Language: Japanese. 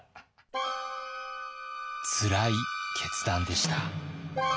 つらい決断でした。